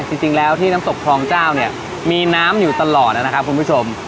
จริงแล้วที่น้ำตกคลองเจ้าเนี่ยมีน้ำอยู่ตลอดนะครับคุณผู้ชม